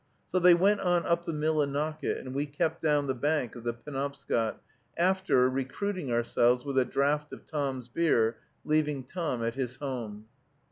So they went on up the Millinocket, and we kept down the bank of the Penobscot, after recruiting ourselves with a draught of Tom's beer, leaving Tom at his home.